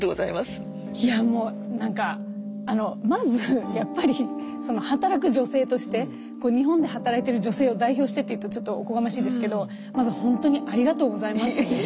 いやもうなんかまずやっぱり働く女性として日本で働いている女性を代表してっていうとちょっとおこがましいですけどまずほんとにありがとうございます。